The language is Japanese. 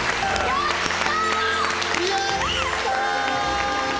・やった！